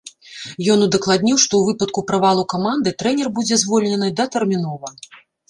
Ён удакладніў, што ў выпадку правалу каманды трэнер будзе звольнены датэрмінова.